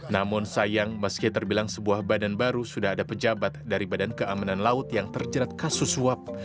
namun sayang meski terbilang sebuah badan baru sudah ada pejabat dari badan keamanan laut yang terjerat kasus suap